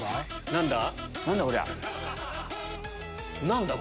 何だ？